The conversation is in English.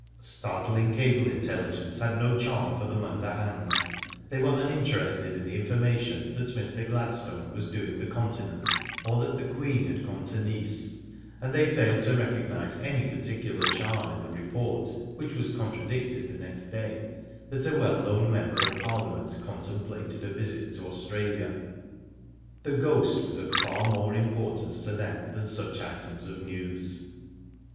Startling cable intelligence had no charm for the Munda hands. They were uninterested in the in Digitized byGoogk 264 ^^0 DID ITf formation that Mr. Gladstone was doing the conti nent, or that the Queen had gone to Nice, and they failed to recognise any particular charm in the report, which was contradicted next day, that "A well known member of parliament contemplated a visit to Australia." The Ghost was of far more importance to them than such items of news.